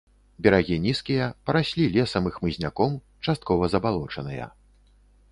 Берагі нізкія, параслі лесам і хмызняком, часткова забалочаныя.